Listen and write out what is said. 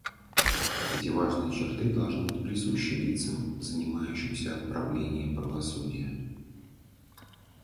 Эти важные черты должны быть присущи лицам, занимающимся отправлением правосудия.